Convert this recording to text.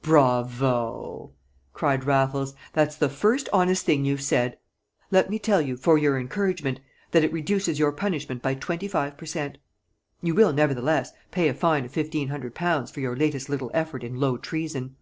"Bravo!" cried Raffles. "That's the first honest thing you've said; let me tell you, for your encouragement, that it reduces your punishment by twenty five per cent. You will, nevertheless, pay a fine of fifteen hundred pounds for your latest little effort in low treason."